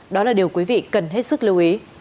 đó là điều quý vị cần hết sức lưu ý